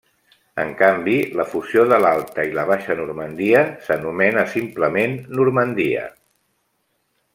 En canvi, la fusió de l'Alta i la Baixa Normandia s'anomena simplement Normandia.